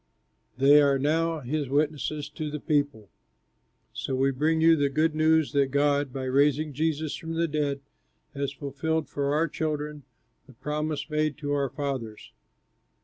They are now his witnesses to the people. So we bring you the good news that God, by raising Jesus from the dead, has fulfilled for our children the promise made to our fathers."